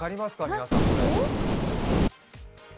皆さん、これ。